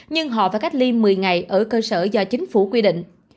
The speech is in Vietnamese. nhưng họ phải cách ly một mươi ngày ở cơ sở do chính phủ quy định